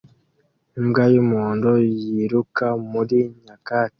Imbwa y'umuhondo yiruka muri nyakatsi